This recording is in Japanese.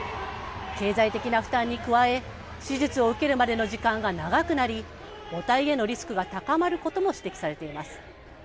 経済的な負担に加え、手術を受けるまでの時間が長くなり、母体へのリスクが高まることも指摘されています。